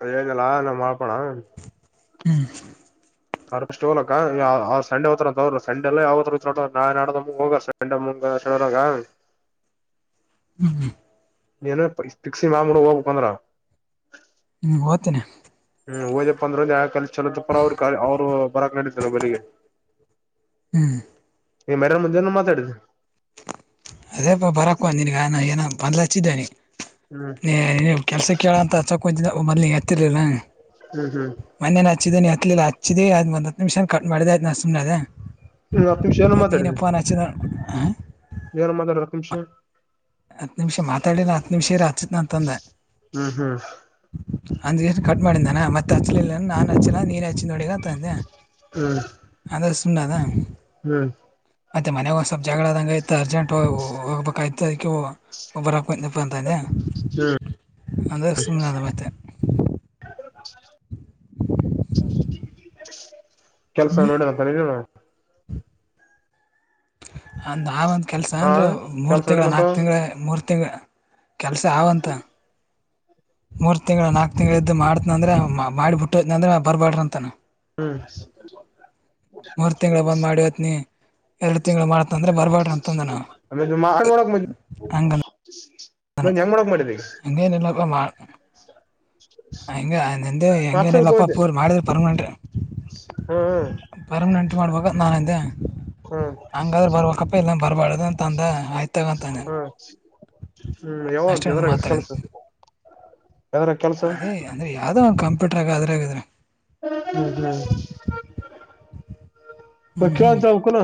ಅದೇ ಹೇಳಿದ್ನಲ್ಲ ನಮ್ ಮಡಳಪಣ. ಹ್ಮ್. ಅವ್ರು ಪಸ್ಟ್ ಹೋಗಲಕ್ಕ ಸಂಡೆ ಹತ್ರ್ರ ಸಂಡೆಲ್ಲ ಯಾವ ನಾ ನಡ ಹೋಗ ಸಂಡೆ ಮು. ಚರಾಗ. [unintelligible] ಹ್ಮ್ ಹ್ಮ್. ನೀನು ಪೀಕ್ಸಿ ಮಾಡಿ ಬಿಡು ಹೋಗಬೇಕಂದ್ರ. ಹ್ಮ್ ಹೋತೀನಿ. ಹ್ಮ್ ಹೋದೆಪದ್ರೆ ಆ ಕಾಲ ಚಲೋದ ಪರ ಅವ್ರ ಅವ್ರು ಬರಕ್ ನಡಿದ್ದನ ಮನಿಗೆ. ಹ್ಮ್ ಎ ಮೇರ ಮಂಜನ ಮಾತಾಡಿದು. ಅದೇ ಪ ಬರಕ ನಿನಗಾನ ಏ ಬಂದ್ಲ ಹಚ್ಚಿದ್ದನಿ. ಹ್ಮ್ ನೀ ನೀ ಕೆಲ್ಸ ಕೇಳ ಅಂತ ಅಚ್ಛಕುಂತಿದಿ ಮೊದ್ಲಿಗೆ ಎತ್ತಿರ್ಲಿಲ್ಲ. ಹ್ಮ್ ಹ್ಮ್. ಹಚ್ಚಿದಾನೆ ಎತ್ಲಿಲ್ಲ ಹಚ್ಚಿದೆ ಅ ಒಂದು ಹತ್ತು ನಿಮಿಷ ಕಟ್ ಮಾಡಿದೆಯ್ತ ನಾ ಸುಮ್ಮನೆ ಅದೇ. ಹ್ಮ ಹತ್ತು ನಿಮಿಷ ಏನ ಮಾತಾಡಿದಿ ಏನ ಮಾತಾಡಿದಿ ಹತ್ತು ನಿಮಿಷ. ಹಚ್ತಿನಿ ಅಂತ ಅಂದ. ಹ್ಮ್ ಹ್ಮ್. ಅಂದ್ ಗೆಸಿ ಕಟ್ ಮಾಡಿದಾನ ಮತ್ತೆ ಹಚ್ಲಿಲ್ಲ ನಾನ್ ಹಚ್ಚಿಲ್ಲಾ ನೀನ್ ಹಚ್ಚಿ ನೋಡಿಗ ಅಂತ ಅಂದೇ. ಹ್ಮ. [unintelligible] ಹ್ಮ್. ಮತ್ತೆ ಮನೆಗೆ ಒಂದ್ಸ್ವಲ್ಪ ಜಗಳಾದಂಗತ ಅರ್ಜೆಂಟ್ ಹೋಗ್ಬೇಕಾಯ್ತ ಅದಕ ಒಬ್ಬ. ಕ ನಪಾಯಂತ್ದದೆ ಹ್ಮ್ ಅಂದೇ ಸುಮ್ನೆ ಆದ ಮತೇ. ಕೆಲ್ಸ ಹ್ಮ್ ನೋಡಿಬೇಕಂತಾರೆ ನೀ. ಅಂದ್ರೆ ಅವ ಅಂತ ಕೆಲಸ ಹಾ ಅಂದ್ರೆ ಮೂರು ಕೆಲ್ಸ ತಿಂಗಳ ನೋಡೇನಪ್ಪ ನಾಲ್ಕು ತಿಂಗಳ ಮೂರು ತಿಂಗಳ. ಕೆಲಸ ಅವಂತ. ಮೂರ್ ತಿಂಗ್ಗಳ ನಾಕ್ ತಿಂಗಳ ಇದ್ದು ಮಾಡ್ತೀನಿ ಅಂದ್ರೆ ಮಾಡಿ ಬಿಟ್ಟದ ಅಂದ್ರೆ ಬರ್ಬಾರಡ್ರ ಅಂತನ. ಹ್ಮ್. ಮೂರ್ ತಿಂಗಳ ಬಂದು ಮಾಡಿ ಹೋತೀನಿ ಎರಡ್ ತಿಂಗ್ಳ ಮಾಡತ ಅಂದ್ರ ಬರ್ಬಾರಡ್ರಿ ಅಂತಂದನ ಅವ. ಮಾಡ ನೋಡಕ್ ಮ. ಹಂಗ. ಹ ಹೆಂಗ್ ಮಾಡಕ್ ಮಾಡಿದೆ ಈಗ ಹಂಗನೆಲ್ಲ ಮಾಡ. ಹಂಗ ನಿಂದೆ ಹೆಂಗೇನಿಲ್ಲಪ್ಪಾ ಮಾತ್ಸರ್ಕೋದೆ ಪೂರ ಮಾಡಿದ್ರ ಪರ್ಮನೆಂಟ್. ಹ್ಮ್ ಹ್ಮ. ಮಾಡಬೇಕು ಅಂತ ನಾನಂದೆ. ಹ್ಮ್ ಹಂಗಾದ್ರೆ ಬರ್ಬೇಕಪ್ಪ ಇಲ್ಲ ಬರಬಾರ್ದ ಅಂತ ಅಂದ ಆಯ್ತಾಗಂತಂದ ನಾನು. ಹ್ಮ್ ಹ್ಮ್ ಯಾವಗ ಅಷ್ಟೇ ನಾನು ಎದರಗಂತ ಕೆಲ್ಸ. ಮಾತಾಡಿದ್ದು ಎದ್ರಾಗ ಕೆಲ್ಸ ಅದೇ ಅಂದ್ರೆ ಯಾವ್ದೋ ಒಂದು ಕಂಪೂಟರ್ ಆಗ ಅದ್ರಾಗಗಿದ್ರ. ಹ್ಮ ಹ್ಮ ಮತೆ ಹ್ಞೂ ಕೇಳು ಹ್ಞೂ ಅಂತ ಅನ್ಬೇಕಿಲ್ಲ.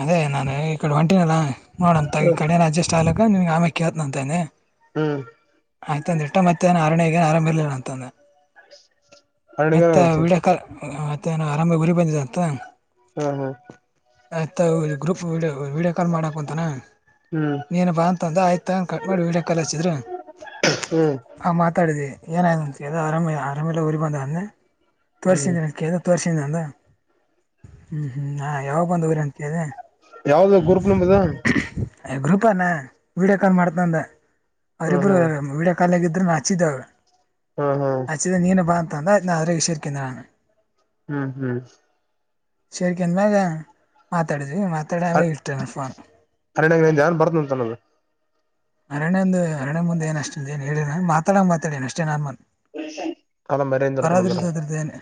ಅದೇ ನಾನು ಈ ಕಡೆ ಒಂಟಿನಲ್ಲ ನೋಡಮ್ ತಗಾ ಈ ಕಡೆ ಅಡ್ಜಸ್ಟ್ ಆಗಾಗ ನಿಮ್ಗೆ ಆಮೆ. ಕೇಳ್ತಿನಿ ಅಂತನನೆ ಹ್ಮ್ ಆಯ್ತಂದ ಇಟ್ಟ ಮತ್ ಆರಣ್ಯಗ ಏನು ಆರಾಮ ಇಲ್ಲ ಏನು ಅಂತ ಅಂದ. ಮತ್ತೆ ಹರಣಿಗನಗಂತ ವಿಡಿಯೋ ಕಾಲ್ ಮತ್ತೆ ಆರಾಮ ಆಗಿ ಊರಿಗೆ ಬಂದಿದ್ದಲ. ಹ್ಮ ಹಾ. ಆಯ್ತಾತಗ ಇಬ್ರೂ ಯ ವಿಡಿಯೋ. ಕಾಲ್ ಮಾಡಾಕ ಅಂತಾನ ಹ್ಮ್ ನೀನು ಬಾ ಅಂತಂದು ಆಯ್ತು ತಗೊಂಡ ಕಟ್ ಮಾಡಿ ವೀಡಿಯ ಕಾಲ್ ಹಚ್ಚಿದ್ರರು. ಹ್ಮ್ ಹಾ ಮಾತಾಡಿದಿವಿ. ಎನ್ ಆಗ್ಯದ ಅಂತ ಕೇಳ್ದ ಆರಾಮ ಆರಾಮೆಲೆ ಉರಿ ಬಂದ ಅಂದೆ ಹ್ಮ್ ತೋರ್ರಿಸಿದ ಅಂತ ಕೇಳ್ದ ತೋರ್ರಿಸಿದ ಅಂದ. ಹ್ಮ್ ಹ್ಮ್ ಹಾ ಯಾವಾಗ ಬಂದವ್ರಿ ಅಂತ ಕೇಳಿದೆ. ಯಾವ್ದಪ ಗ್ರೂಪ್ ನಿಮ್ದು. ಗ್ರೂಪ ಅನಾ ವೀಡಿಯೋ ಕಾಲ್ ಮಾಡ್ತೀನಿ ಅಂದ ಹ್ಮ್ ಅವರಿಬ್ರು ಹ್ಮ್ ವಿಡಿಯೋ. ಕಾಲ್ನ್ಯಗಿದ್ರೆ ಹಚ್ಚಿದಾವ ಹ್ಮ್ ಹ್ಮ್ ಹಚ್ಚಿದ ನೀನು ಬಾ. ದಾದ ವಿಷ ಹ್ಮ್ ಹ್ಮ್ ಸರಿಕ ಅಂದ ಮ್ಯಾಗ ಮಾತಾಡ ಮಾತಾಡ ಆ ಕಟ್ಟಣಫೋನ್ ಹರಣ್ಯಾಗ ಧ್ಯಾನ್ ಬರ್ತಂತ ಅನ್ನೋದು ಅರಣ್ಯಂದು ಅರಣ್ಯೆ ಮುೆ ಏನಷ್ಟಂದು ಏನು ಹೇಳಿ ನ ಮಾತಾಡೋ ಮಾತಾಡಿ ಅಷ್ಟೇ ನಾರ್ಮಲ್ ಕಾಲ ಮರ್ಯಿಂದ ಇರ್ತಾನಂದ್ರ ಪರದ್ರದ್ದು ಅದ್ರದ್ದು ಏನೆ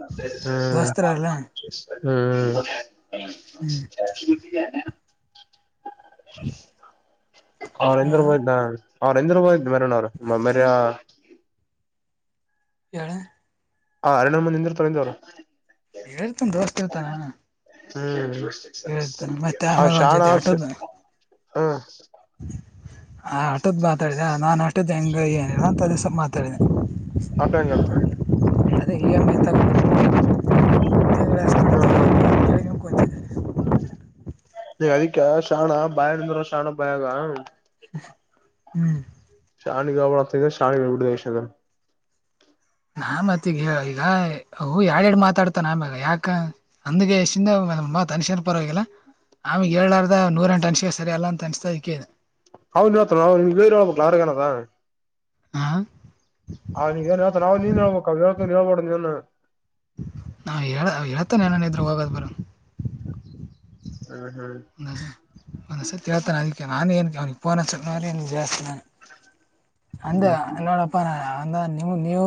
ಹ್ಮ್ ಹ್ಮ್ ಹ್ಞೂ ಹ್ಮ ಹಾಂ ಅವರೇಂದ್ರಬಿದಾ ಅವರೇಂದ್ರಬಾಯ್ ರು ಮರ ಏಳು ಹ ಎರಡು್ ಮಂದ ಹಂದ ತರಂದವ್ರು ಹೇಳ್ತಮ ದೋಸ್ತಿ ಇರ್ತಾನ ಹ್ಮ್ ಅವ ಆಮೇಲೆ ಅವನ ಶಳಾ ಜೊತೆ ಆಟೋದ ಹ್ಮ್ ಹ ಆಟದ್ ಮಾತಾಡಿದೆ ನಾನನ್ ಆಟದ್ ಹೆಂಗ ಏನಿಲ್ಲ ಅಂತ ಅದುಸ ಮಾತಾಡಿದೆ ಅದಂಗತ್ತ ಅದ ಇ ಮತ ಹ್ಮ್ ಹ್ಮ್ ಕೇಳ್ಕೊಂಡ್ ಕೂತಿದ್ದೆ ಅರಿಕಾ ಶಾಣ ಬಯಂದರ ಸಾಣ ಬಯಾಗಾ ಹ್ಮ್ ಶಾನ ಗಾವಡ ತಗ ಶಿ ಉ ಸ ನಾ ಮತ್ತಗ ಈಗ ಅ ಎಡ್ ಎರಡ್ ಮಾತಾಡ್ತ ನ ಆಮ್ಯಾಗ ಯಾಕ ಅಂದಗೆಿಂದ ಮ್ಮ ತನ್ಷನ್ ಪರವಾಗಿಲ್ಲ ಆಮೇಗ್ ಎರಡ್ದ ನೂರಂಟು ತನ್ಷಿಕ ಸರಿ ಅಲ್ಲ ಅಂತ ಅನಸಸ್ತಾ ಇದ ಅವ್ನು ಅವ್ ಗೈರು ಹಳ್ಬೇಕ ಯ್ರಗನದ ಹ ಯಾಪಡಲ್ಲ ನಾ ಎಳ್ತಾನೆನನ ಇದ್ರು ಹೋಗದ್ ಬರ ಹ್ಮ್ ಹ್ಮ್ ಸಳ್ತ ಅದ ನಾನೇ ಅವನಿಗೆರ ಜಾಸ್ತಿ ಅಂತ ಹ್ಮ್ ನನ್ನೋಡಪ್ಪ ಅಂದ ನಿ ನೀವು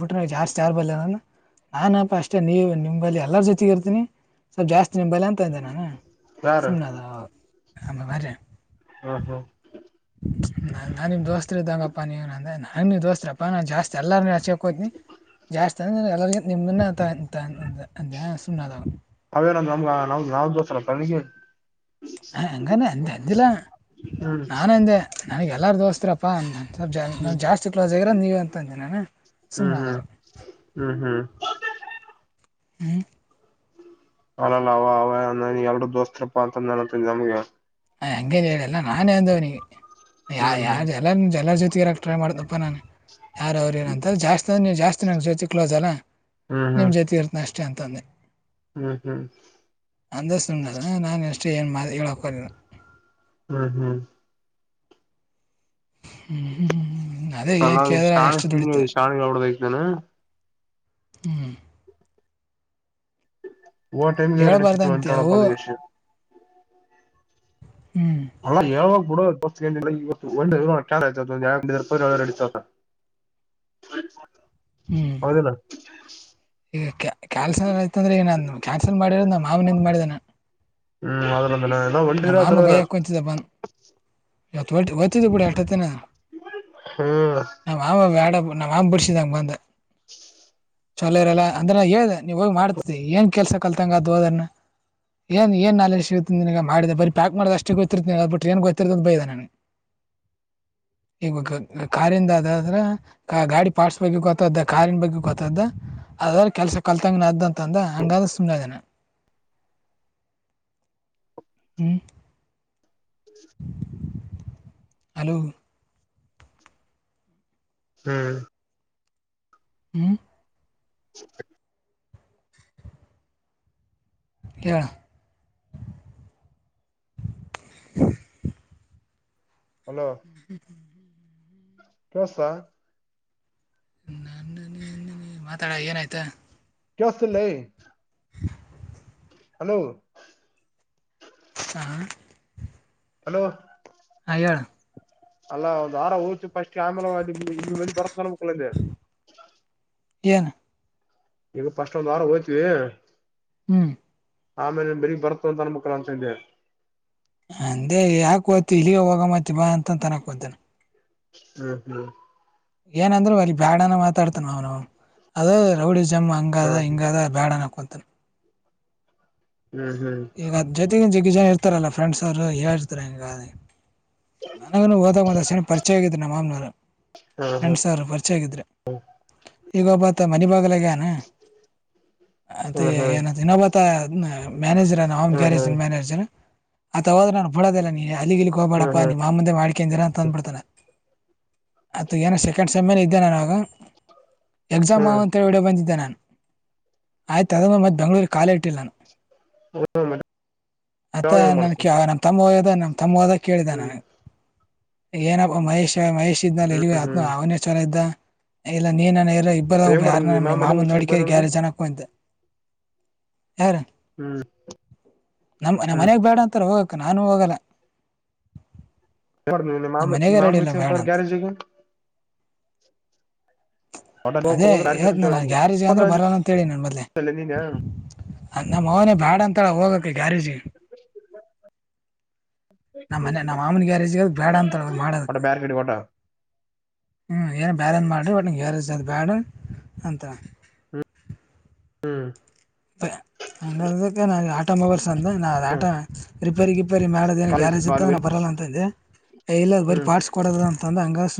ಬಿಟ್ಟಜಾಸ್ತಿ ಆಬ ನಾನ್ಪಾ ಅಷ್ಟೇ ನೀ ನಿಮ್ಲ್ಎಲ್ಲರ ಜೊತೆಗೆಗ ಇರ್ತೀನಿ ಸ್ವಲ್ಪ ಜಾಸ್ತಿ ಬೈಲ ಅಂತ ಇ್ದ ನಾನ ಸು ಯಾರು ನದು ಹ ಬಾರಿ ಹ ನಾನ ನಿಮ ದೋಸ್ರು ಇದಂಗಪ್ಪ ನೀವ ಅಂದ ನ ದೋಸ್ತಪ್ಪ ನಾನು ಜಾಸ್ತಿ ಎಲ್ಲಾರು ಹಚಕಕ್ ಹೋನಿ ಜಾಸ್ತಿ ಅಂದ್ರೆ ಎಲ್ಲರಿಗ ನಿಮ ಅವೇನ್ರ ನಮ್ಗ ನಮ್ದ ನಾವ ದೋಸ ಎಲ್ಲ ಕನಗೆ ಹಾ ಹಂಗಾನ ಹಂದೆ ಅಂದಿಲ್ಲ ಹ್ಮ್ ನಾನು ಹಂದೆ ನನಗೆ ಎಲ್ಲಾರ ದೋಸ್ತಪ್ಪಾ ಸ್ವಲ್ಪ ಜ ನ ಹ್ಮ್ ಜಾಸ್ತಿ ಕ್ಲೋಸ್ ಆಗಿರೋ ನೀವ ಅಂತಂದಿ ನಾನ ಹ್ಮ್ ಸುಮ್ಮದವರು ಹ್ಮ್ ಹ್ಮ್ ಹ್ಮ್ ಹ್ಮ ಅಲ್ಲಲ್ಲ ಅವ ಅವ ನ ಎರಡು ದೋಸ್ತರಪ್ಪಾ ಅಂತ ನಂತ ನಮ್ಗೆ ಹ ಹಂಗೇನ್ ಹೇಳಿ ಎಲ್ಲ ನಾನೇ ಅಂದವ್ನಿಗೆ ಯ ಹ್ಮ್ ಯಾರ ಹ್ಮ್ ಎಲ್ಲ ಎರ ಜೊತೆಗೆ ಇರಕ್ ಟ್ರ ಮಾಡ್ದ ಪ್ಪ ನಾನು ಯಾರ ಅವ್ರ ನ ಅಂತ ಜಾಸ್ತಿ ಅ ನೀವು ಜಾಸ್ತಿ ನನ ಜ್ಯೋತಿ ಕ್ಲೋಸ್ ಅಲ್ಲ ಹ್ಮ್ ಹ್ಮ್ ನಿಮ್ ಜೊತೆ ಇರ್ತನ ಅಷ್ಟೇ ಅಂತಾನೆ ಹ್ಮ್ ಹ್ಮ್ ಅಂದ ನಾನನ್ ಎಷ್ಟು ಏನ್ ಹೇಳಕ ಹ್ಮ್ ಹ್ಮ್ ಹ್ಮ ಹ್ಮ್ ಅದೇ ಏನ್ ಶೆ ಕೇಳಿದ್ರ ಎಷ್ಟು ದುಡಿತ ಶಾಣಡತೇನೆ ಹ್ಮ್ ಓ ಟೈಮಗೆ ಯರಡತ ಹೇಳ್ಬಾರ್ದಂತೆ ಅವು ಒಂದುಟಳಪ್ಪ ಎ ಹ್ಮ್ ಹ ಯಾವಾಗ ಹಡ ಬಸಲ್ಲತ್ತು ಒ ಆತಡ [unintelligible] ಹ್ಮ್ ಹೌದಿಲ್ಲ. ಈಗ ಕ್ಯಾ ಕ್ಯಾನ್ಸಲ್ ಆಯತಂದ್ರೆ ಈಗ ಕ್ಯಾನ್ಸಲ್ ಮಾಡಿರ ಮಾವಿನಿಂದ್ ಮಾಡಿನಿಂದ ಮಾಡಿದಾನ. ಹ್ಮ್ ನಮ್ಮ ಅ್ರ ಇಲ್ಲ [unintelligible] ಒತ್ತಿ ಒತಿವ್ ಬಿಡು ಎಷ್ಟತ್ತಿನ ಹ್ಮ್ ನಾ ಅವ ನ್ಯಾಡ ನಾ ಮಾಂಮ್ಬರ್ಸಿದ ಅ ಬಂದು. [inaudible] [unintelligible] ಇರಲ್ಲ ಅಂದ್ರೆ ಹೇಳದೆ ನೀವ್ ಹೋಗಿ ಮಾಡ್ತತಿ ಏನ್ ಕೆಲ್ಸ ಕಲ್ತಂಗ ಅದು ಹೋದನ್ನ. ಏನ್ ಏನಾಲ್ಡಜ ಸಿಗುತ್ತೆ ನಿನಗ ಮಾಡಿದ ಬರಿ ಪ್ಯಾಕ್ ಮಾಡದ ಅಷ್ಟೇ ಗೊತ್ತಿರ್ತದ ಬಿಟ್ಟ ಏನ್ ಗೊತ್ತ [unintelligible] ಬಯ್ದಾನು ಹ ಕಾ ಕಾರಿಂದ ಅದ್ ಅದ್ರೆ ಗಾಡಿ ಪಾರ್ಟ್ಸ್ ಬಗ್ಗೆ ಗೊತ್ತ್ದ ಕಾರಿನ ಬಗ್ಗೆ ಗೊತ್ತ್ದ. ಅದ್ರ ಕೆಲ್ಸ ಕಲ್ತಂಗ ಅತತಂದ್ದ ಹಂಗಂದ್ರೆ ಸುಮ್ಮನಾದೆನಾ. ಹ್ಮ ಹಲೋ ಹ್ಮ್ ಹ್ಮ್ ಹೇಳ ಅಲೋ ಹ್ಮ ಹ್ಮ ತೊಸ. ಮಾತಾಡೊ ಏನಾಯ್ತಾ. ತ್ಯೊಸ್ತುಲೇ. [unintelligible] ಹಲೋ ಹಾ ಹಲೋ ಹಯ ಅಲ್ಲ ಒಂದ್ ವಾರ ಹೋಗತ ಫಸ್ಟ್ ಆಮೇಲೆಲ್ಲಿ ಬರಕ್ನ ಮುಕ್ಕಳಿಂದೆ. ಏನು. ಈಗ ಫಸ್ಟ್ ಒಂದ್ ವಾರ ಹೋಯ್ತಿವಿ. ಹ್ಮ್ ಆಮೇಲೆ ಬೆರೀಗ್ ಬರ್ತ ಅಂತ ಅನ್ಮಕ್ಳ ಅಂತ ಇದೆ. ಅಂದೆ ಯಾಕ ಹೊತಿ ಇಲ್ಲಿಗ ಹೊಗ ಮತ್ತಿ ಬಾ ಅಂತಂತನಕ್ ಹೋತೇನೆ. ಹ್ಮ್ ಹ್ಮ್ ಏನಂದ್ರು ಅಲಿ ಬ್ಯಾಡನ ಮಾತಾಡ್ತನ್ ಅವ್ನೌನ ಅದು ರೌಡಿ [unintelligible] ಅಜಮ್ಮ ಹ್ಮ್ ಹಾ ಹಂಗಾದ ಹಿಂಗದ ಬ್ಯಾಡ ಅನ್ನಕೊತಿನಿ. ಹ್ಮ್ ಹ್ಮ್ ಈಗ್ ಜೊತೆಗಿನ ಜಗ್ಗ ಜನ ಇರ್ತಾರಲ್ಲ ಫ್ರೆಂಡ್ಸ್ ಅವರು ಹೇಳಿರ್ತಾರ ಹಿಂಗ. ನನಗು ಹೋದಾಗ್ ಒಂದ್ಸಾರಿ ಪರಿಚಯ ಆಗಿದ್ರ ನಮ್ ಮಾಮ್ನವ್ರು. ಹಾ ಫ್ರೆಂಡ್ ಸಾವರ ಪರಿಚಯ ಆಗಿದ್ರೆ ಈಗ ವಬಾ ಮನಿ ಬಾಗಲಾಗಾನ ಅತಿ ಹಾ ಏನ ದಿನೋಬತ ಮ್ಯಾನೇಜರ ಅವನ್ ಹಾ ಹಾ ಗ್ಯಾರೇಜಿಗ್ ಮ್ಯಾನೇಜರ್ ಆತ್ತಗೋದ್ರೆ ಬಿಡೋದಿಲ್ಲ ನೀ ಅಲ್ಲಿ ಇಲ್ಲಿ ಹಾ ಹೋಗ್ಬೇಡಪ್ ಹಾ ಮಾಮಂದೆ ಮಾಡ್ಕಂದಿರಾ ಅಂತ ಅಂದ್ಬಿಡ್ತಾನೆ. ಅತ್ತು ಏನೊ ಸೆಕೆಂಡ್ ಸಮ್ಮಲ್ಲಿ ಇದ್ದೆ ನಾನ ಆಗ. ಎಕ್ಸಾಮ್ ಹಾ ಹಾ ಹಾ ಅವ ಅಂತೇಳಿ ಹೊಡ ಬಂದಿದ್ದೆ ನಾನು ಆಯ್ತು ಅದಗ ಮತ್ತೆ ಬೆಂಗಳೂರಿಗೆ ಕಾಲೆ ಇಟ್ಟಿಲ್ಲ ನಾನು. ಹ್ಮ್ ಮತ್ತ ಯಾವಾಗ ಹೆಂಗ್ ನನ್ ಮಾಡ್ತಿ ಕ ನಮ್ಮ ತಮ್ಮದ ನಮ್ ತಮ್ಮ ಒದಕ್ ಕೇಳಿದಾನೆ. ಹ್ಮ್ ಏನಪ್ಪ ಮಹೇಶ್ ಮಹೇಶ್ ಇದನ ಇಲ್ಲಿ ಹ್ಮ್ ಆತ್ನ ಹ್ಮ್ ಅವನೆ ಚಲೊ ಇದ್ದ. ಇಲ್ಲ ನೀನನ ಇರೋ ಇಬ್ಬರ ಹೆಂಗ್ ಒಬ್ರು ಮಾಡ್ದ ಯಾರ ನಿಮ್ಮ ನ ಮಾಮ ಮನೆ ಮಾಮೂಂದ ಹಚ್ಕೊಂಡ್ ನೋಡಿಕ ಬರೋದು ಯಾರ ಜನಕ್ಕೂ ಅಂತೆ ಹ್ಮ್ ನಮಮ್ಮ್ ನಮ್ಮ ಹ್ಮ್ ಮನೆಾಗ ಬೇಡ ಅಂತಾರೆ ಹೋಗಕ್ಕ ನಾನೂ ಹೋಗಲ್ಲ ನೀ ನಮ್ಮ ಮಾಮ ಮನೆಗೆ ರೆಡಿ ಇಲ್ಲ ಮಾಮಗಪ ಬೇಡ ಅಂತ ಗಾರೆ ಜಗ ಅದೇ ಹತ್ ನ ಯಾರಜಿಗೆ ಅಂದ್ರೆ ಬರಲ್ಲ ಅಂತೇಳಿ ನನ್ ಮದ್ಲೆ ನೀನ ಅ ನಮ್ಮ್ ಮನಿ ಬಾಡ ಅಂತಳ ಹೋಗಕ ಗ್ಯಾರೇಜಿ ನಮ್ಮ್ ಮನೆ ನಮ್ಮ್ ಮಾಮನ ಗ್ಯಾರೇಜಿಗದ ಬೇಡ ಅಂತ ಒಟ ಮಾಡಕ್ ಬ್ಯಾರೆ ಕಡೆ ಒಟ ಹ ಏನು ಬ್ಯಾಲೆನ್ಸ್ ಮಾಡಿ ಒಟ್ಂ ಹೇರ್ಜ ಅದು ಬ್ಯಾಡ ಅಂತ ಹ್ಮ್ ಅ ಹಂಗ ಅಕ್ಕೆ ನಾನು ಆಟೋ ಮೊಬೈಲ್ಸ್ ಅಂದ ನಾನ ಅದು ಹ್ಮ್ ಆಟೋ ರಿಪೇರಿ ಗಿಪೇರಿ ಮಾಡೋದೇನು ಹ್ಮ್ ಗ್ಯಾರೇ್ ಇತ್ತು ಅ ನ ಬರಲ್ಲ ಅಂತಂದೆ ಇಲ್ಲ ಬರ ಪಾರ್ಟ್ಸ್ ಕೊಡದ ಅಂತಂದ್ರೆ ಹಂಗಸ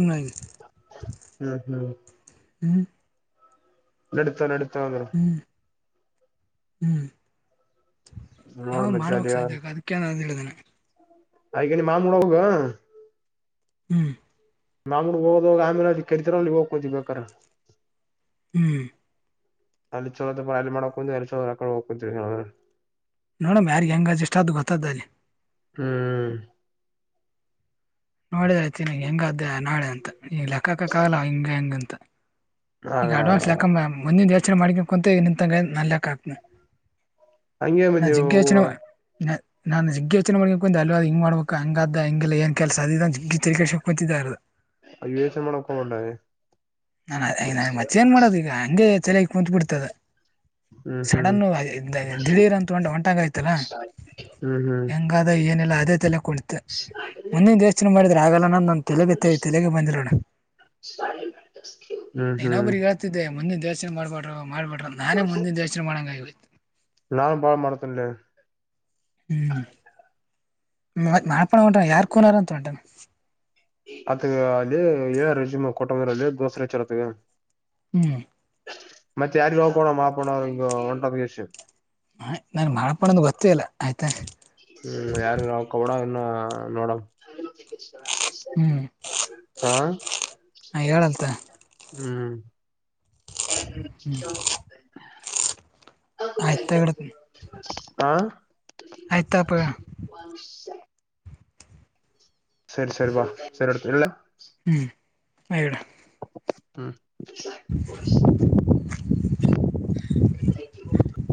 ಹ್ಮ್ ಹ್ಮ್ ಹ್ಮ್ ನಡತಾ ನಡತಾ ಅಂದ್ರ ಹ್ಮ್ ಯಾವ ನೋಡ್ ಮತ್ ಅದ ಮಾಡ್ಬೇಕಕ್ ಸಾಧ್ಯ ಅದಕ್ಕೆೇನ [unintelligible] ಆಯಕ ನೀ ಮಾಮಡ ಹೋಗ ಹ್ಮ್ ಮಾಂಗೂ ಹೋಗೋದೋಗ ಆಮೇಲೆ ಅಲ್ಲಿ ಕರ್ತಿಲ್ಲಿ ಹೋಗ್ಕೋತಿ ಬೇಕ್ರ ಹ್ಮ್ ಅಲ್ಲಿ ಚಲೋದ ಪರ ಅಲ್ಲಿ ಮಾಡಕ ಅಲ್ಲಿ ಚೋಕಡೆ ಹೋಗಕತ್ ನೋಡಮ್ ಯಾರ್ಗ್ ಹೆಂಗ ಅ್ಷ್ಟ ಅದು ಗೊತ್ತ್ದ ಅಲ್ಲಿ ಹ್ಮ್ ನೋಡಐತನಿ ಹೆಂಗ ಅಧ್ಯ ನಾಡೆ ಅಂತ ಈ ಲೆಕ್ಕಾಕಕ್ಕಾಗಲ್ಲ ಹಿಂಗ ಹೆಂಗ ಅಂತ ಈಗ ಆಗಲ್ಲ ಅಡ್ವಾನ್ಸ್ ಆಗಲ್ಲ ಲೆಕ್ಕಕ ಮುಂದಿನ ಯೋಚನೆ ಮಾಡ್ಕೊಂಡ ಕುಂತ ನಿಂತಂಗ ನಾ ಲೆಕ್ಕ ಆಗ್ತನ ಹಂಗೆ ಮತ್ ನಾ ನೀವು ಜಿಗ್ಗಚ್ಚನ ನಾುಜಗ್ಗ ಯೋಚನೆ ಮಾಡ ಕು ಅವ ಹಂಗ ಮಾಡಬೇಕ ಹಂಗಾದ ಹಂಗೆಲ್ಲ ಏ ಸದ ಗಿತ್ತ ಕ ಶಕಕತಿದ್ದಾರದು ಯೋಚನೆ ಮಾಡಕ್ ಹೋಗಬೇಡ ನಾ ಈ ನನ ಮತ್ತೆ ಏನ್ ಮಾಡೋದು ಈಗ ಹಗೆ ಚಲ ಕುತ್ ಬಿಡ್ತದೆ ಹ್ಮ್ ಹ್ಮ್ ಸಡನ್ನು ದಿಢೀರ್ ಅಂತಂಟ ಒಂಟಾಗ ಆಯ್ತಲ್ಲಾ ಹೆಂಗಾದ ಏನಲ್ಲ ಅದೆ ಹಾಗಲ್ಲ ಮಾಡಿದ್ರ ಆಗಲ್ಲ ನ ತೆಲಗತ್ತೇ ತೆಲೆಗ ಬಂದಿರೋಣ ಹ್ಮ್ ಹ್ಮ್ ನೀನೊಬರಿ ಹೇಳ್ತಿದ್ದೆ ಮುಂದಿನ ದರ್ಶನ ಮಾಡಬಡ್ ಮಾಡಬ ಬಿಡ್ರ ನಾನೇ ಮುಂದಿನ ದರ್ಶನ ಮಾಡಂಗ್ವಿ ನಾನು ಬಾಳ ಮಾಡತಿಲ್ಲ ಹ್ಮ್ ಮ ಮಾಡಪಣ ಹೊಂಟಾರ ಯಾರ ಕನಾರ ಅಂತ ಉಂಟಾನ ಅತ್ಗ ಅದೇ ರಜಾ ಕೊಟ್ಟಂಗ್ರ ಅದೇ ದೋಸ ರಚಾರತ್ಗ ಹ್ಮ್ ಮತ್ತೆ ಯಾರಿಗ ಹೋಗಕೋಣ ಮಾಪಣ ಈ ಒಂಟಷ ಹ ನಾನ್ ಮಾಡಪಣಂದ ಗೊತ್ತೇ ಇಲ್ಲಾ ಹ್ಮ್ ಯಾರ ನಾವ ಕಬಡನ್ನ ನೋಡ ಹ್ಮ್ ಹಾ ಹೇಳಲ್ತ ಹ್ಮ್ ಆಯ್ತ ತಗಡ ಆ ಆಯ್ತಪ ಬ ಸರಿ ಸರಿ ಬಾ ಸರಿ ಅಡ್ತ ಇಲ್ಲ ಹ್ಮ್ ಆಡ ಹ್ಮ್ [inaudible]